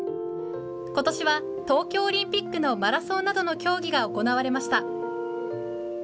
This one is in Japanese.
ことしは東京オリンピックのマラソンなどの競技が行われました。